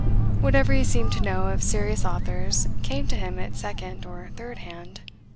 Whatever he seemed to know of serious authors came to him at second or third hand.